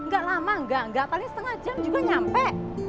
gak lama nggak paling setengah jam juga nyampe